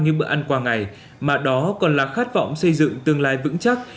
như bữa ăn qua ngày mà đó còn là khát vọng xây dựng tương lai vững chắc